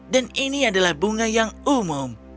dan ini adalah bunga yang umum